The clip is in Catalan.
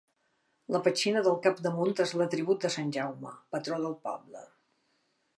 La petxina del capdamunt és l'atribut de sant Jaume, patró del poble.